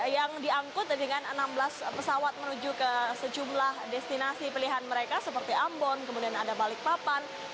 yang diangkut dengan enam belas pesawat menuju ke sejumlah destinasi pilihan mereka seperti ambon kemudian ada balikpapan